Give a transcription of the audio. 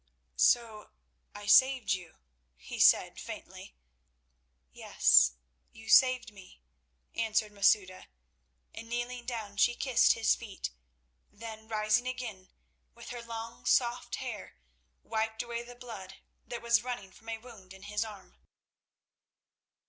"So I saved you," he said faintly. "Yes, you saved me," answered Masouda, and kneeling down she kissed his feet; then rising again, with her long, soft hair wiped away the blood that was running from a wound in his arm.